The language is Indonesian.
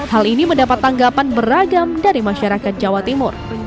hal ini mendapat tanggapan beragam dari masyarakat jawa timur